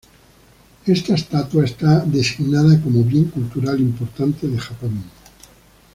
Esta estatua está designada como Bien Cultural Importante de Japón.